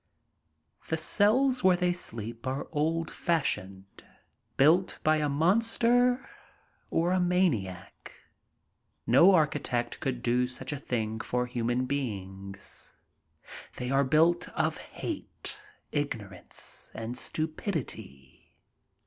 The cells where they sleep are old fashioned, built by a monster or a maniac. No architect could do such a thing for human beings. They are built of hate, ignorance, and stupidity.